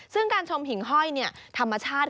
ซึ่งการชมหิ่งห้อยธรรมชาติ